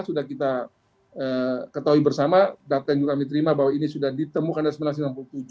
sudah kita ketahui bersama data yang juga kami terima bahwa ini sudah ditemukan dan seribu sembilan ratus enam puluh tujuh